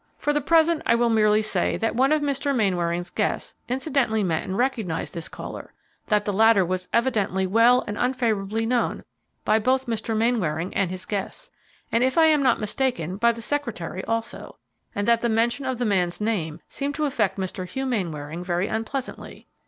For the present, I will merely say that one of Mr. Mainwaring's guests incidentally met and recognized this caller; that the latter was evidently well and unfavorably known by both Mr. Mainwaring and his guests, and, if I am not mistaken, by the secretary also, and that the mention of the man's name seemed to affect Mr. Hugh Mainwaring very unpleasantly."